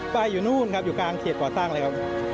ป้ายอยู่นู่นครับอยู่กลางเกรดก่อสร้างแล้ว